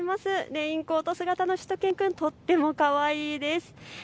レインコート姿のしゅと犬くんとってもかわいいです。